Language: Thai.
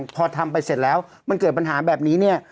พอทำไปเสร็จแล้วมันเกิดปัญหาแบบนี้เนี่ย